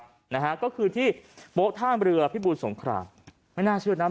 นะฮะก็คือที่โป๊ท่ามเรือพิบูรสงครามไม่น่าเชื่อนะ